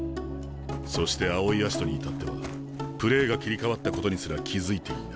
そして青井葦人にいたってはプレーが切り替わったことにすら気付いていない。